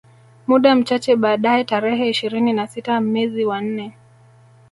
Muda mchache baadae tarehe ishirini na sita mezi wa nne